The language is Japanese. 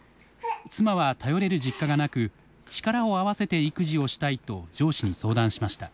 妻は頼れる実家がなく力を合わせて育児をしたいと上司に相談しました。